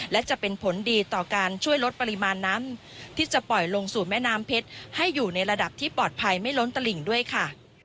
และจะเป็นผลดีต่อการช่วยลดปริมาณน้ำที่จะปล่อยลงสู่แม่น้ำเพชรให้อยู่ในระดับที่ปลอดภัยไม่ล้นตลิ่งด้วยค่ะ